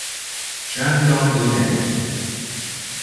Shandong Luneng